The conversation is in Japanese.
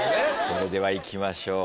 それではいきましょう。